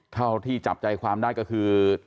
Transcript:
เท่าที่จับใจความได้ก็คือ